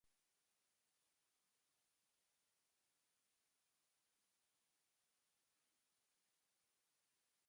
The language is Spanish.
Actualmente el distrito está representado por el Demócrata Jim Matheson.